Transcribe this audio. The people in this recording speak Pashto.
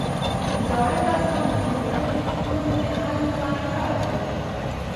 زاړه کسان د ټولنې د ستونزو د حل لپاره کار کوي